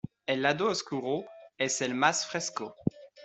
El lado oscuro es el más fresco.